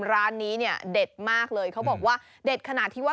ร้านนี้เนี่ยเด็ดมากเลยเขาบอกว่าเด็ดขนาดที่ว่า